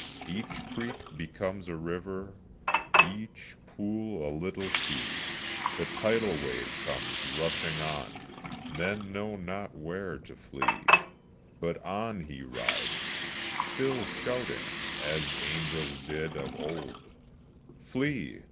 Each creek becomes a river, each pool a little sea, The tidal wave comes rushing on, men know not where to flee, But on he rides, still shouting, as angels did of old, "Flee!